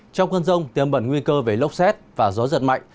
trong cơn rông tiêm bẩn nguy cơ về lốc xét và gió giật mạnh